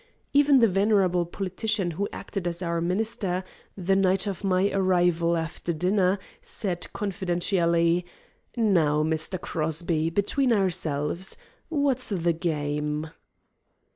Even the venerable politician who acted as our minister, the night of my arrival, after dinner, said confidentially, "Now, Mr. Crosby, between ourselves, what's the game?"